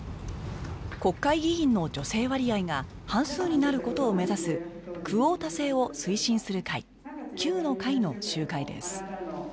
国会議員の女性割合が半数になることを目指すクオータ制を推進する会「Ｑ の会」の集会です